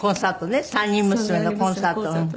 ３人娘のコンサート。